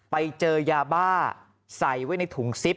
ไปเจอยาบ้าใส่ไว้ในถุงซิป